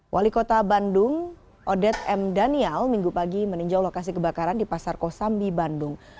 wali kota bandung odet m daniel minggu pagi meninjau lokasi kebakaran di pasar kosambi bandung